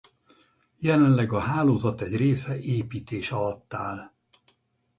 Jelenleg a hálózat egy része építés alatt áll.